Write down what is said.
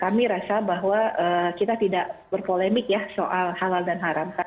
kami rasa bahwa kita tidak berpolemik ya soal halal dan haram